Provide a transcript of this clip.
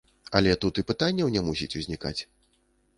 Але тут і пытанняў не мусіць узнікаць!